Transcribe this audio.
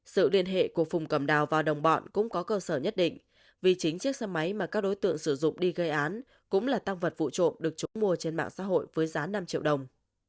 sự liên hệ của phùng cầm đào và đồng bọn cũng có cơ sở nhất định vì chính chiếc xe máy mà các đối tượng sử dụng đi gây án cũng là tăng vật vụ trộm được chúng mua trên mạng xã hội với giá năm triệu đồng